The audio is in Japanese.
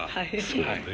そうだね。